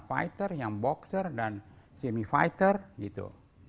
fighter yang boxer dan semi fighter gitu